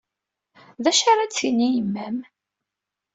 D acu ara d-tini yemma-m?